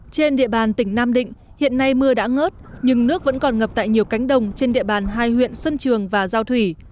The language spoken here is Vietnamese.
trên địa bàn tỉnh nam định hiện nay mưa đã ngớt nhưng nước vẫn còn ngập tại nhiều cánh đồng trên địa bàn hai huyện xuân trường và giao thủy